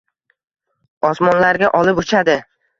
osmonlarga olib uchadi